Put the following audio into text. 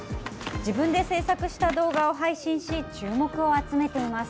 自分で制作した動画を配信し注目を集めています。